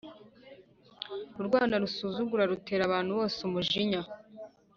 urwana rusuzugura rutera abantu bose umujinya